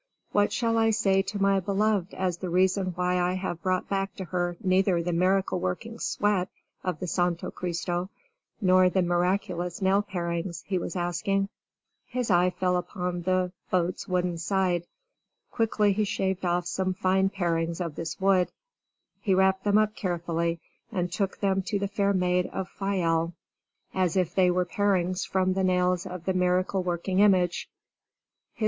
"What shall I say to my beloved as the reason why I have brought back to her neither the miracle working sweat of the Santo Christo nor the miraculous nail parings?" he was asking. His eye fell upon the boat's wooden side. Quickly he shaved off some fine parings of this wood. He wrapped them up carefully and took them to the fair maid of Fayal as if they were parings from the nails of the miracle working image.